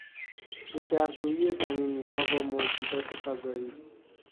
رودررویی زمینیها با موجودات فضایی